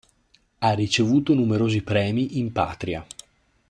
Ha ricevuto numerosi premi in patria.